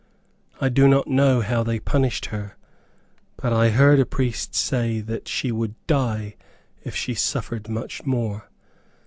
I do not know how they punished her, but I heard a priest say that she would die if she suffered much more.